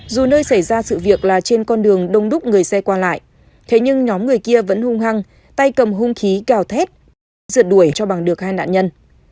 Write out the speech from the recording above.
dù nơi xảy ra sự việc là trên con đường đông đúc người xe qua lại thế nhưng nhóm người kia vẫn hung hăng tay cầm hung khí cào thét rượt đuổi cho bằng được hai nạn nhân